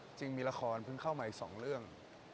เออจริงมีละครเพิ่งเข้าใหม่๒เรื่อง